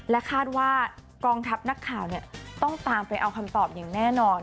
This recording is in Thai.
คาดว่ากองทัพนักข่าวต้องตามไปเอาคำตอบอย่างแน่นอน